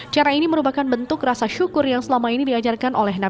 cara ini merupakan bentuk rasa syukur yang selama ini diajarkan oleh natuna